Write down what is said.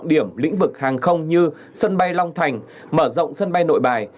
điểm lĩnh vực hàng không như sân bay long thành mở rộng sân bay nội bài